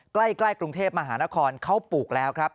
ใกล้กรุงเทพมหานครเขาปลูกแล้วครับ